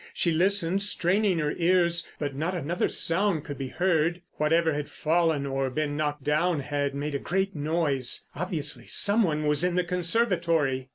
She listened, straining her ears, but not another sound could be heard. Whatever had fallen or been knocked down had made a great noise. Obviously, some one was in the conservatory.